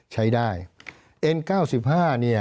ใช้ได้